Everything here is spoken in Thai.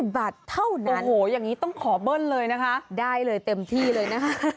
บาทเท่านั้นโอ้โหอย่างนี้ต้องขอเบิ้ลเลยนะคะได้เลยเต็มที่เลยนะคะ